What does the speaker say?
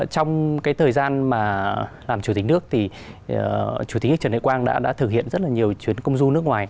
trong thời gian làm chủ tịch nước chủ tịch nước trần đại quang đã thực hiện rất nhiều chuyến công du nước ngoài